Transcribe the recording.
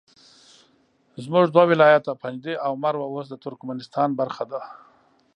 زموږ دوه ولایته پنجده او مروه اوس د ترکمنستان برخه ده